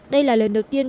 đây là lần đầu tiên